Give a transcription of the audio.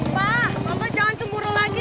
papa papa jangan cemburu lagi